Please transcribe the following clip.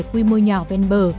quy mô nhỏ ven bờ